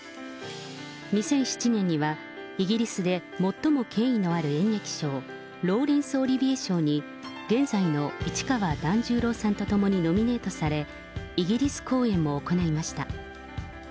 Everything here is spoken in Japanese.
２００７年にはイギリスで最も権威のある演劇賞、ローレンス・オリビエ賞に現在の市川團十郎さんと共にノミネートされ、イギリス公演も行いました。